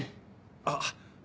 あっ。